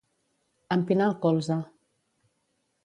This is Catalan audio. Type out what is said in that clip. Empinar el colze